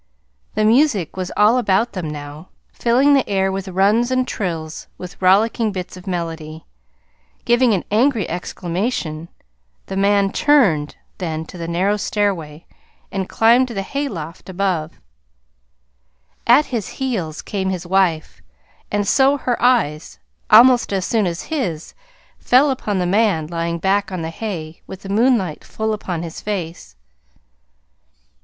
The music was all about them now, filling the air with runs and trills and rollicking bits of melody. Giving an angry exclamation, the man turned then to the narrow stairway and climbed to the hayloft above. At his heels came his wife, and so her eyes, almost as soon as his fell upon the man lying back on the hay with the moonlight full upon his face.